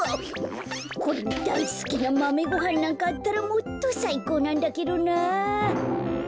これにだいすきなマメごはんなんかあったらもっとさいこうなんだけどな。